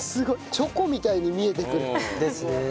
チョコみたいに見えてくる。ですね。